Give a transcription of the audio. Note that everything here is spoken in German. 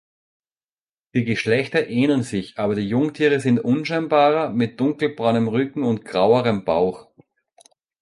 Die Geschlechter ähneln sich, aber die Jungtiere sind unscheinbarer, mit dunkelbraunem Rücken und grauerem Bauch.